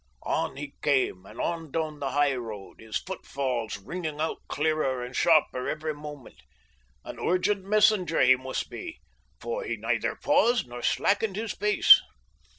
On he came, and on down the high road, his footfalls ringing out clearer and sharper every moment. An urgent messenger he must be, for he neither paused nor slackened his pace.